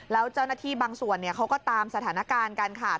แล้วเจ้าหน้าที่บางส่วนเขาก็ตามสถานการณ์กันค่ะ